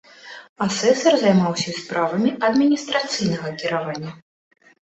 Асэсар займаўся і справамі адміністрацыйнага кіравання.